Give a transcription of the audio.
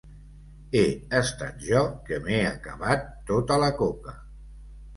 He estat jo que m'he acabat tota la coca.